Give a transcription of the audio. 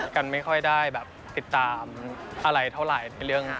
กันไม่ค่อยได้แบบติดตามอะไรเท่าไหร่